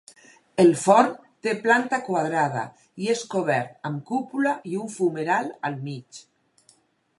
El forn té planta quadrada i és cobert amb cúpula i un fumeral al mig.